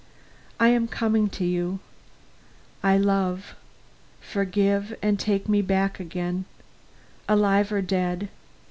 I am coming to you I love forgive and take me back again, alive or dead.